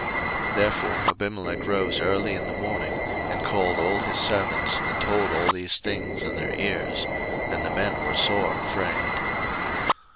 01:020:008 Therefore Abimelech rose early in the morning, and called all his servants, and told all these things in their ears: and the men were sore afraid.